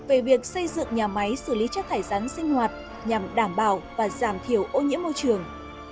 về việc xây dựng nhà máy xử lý chất thải rắn sinh hoạt nhằm đảm bảo và giảm thiểu ô nhiễm môi trường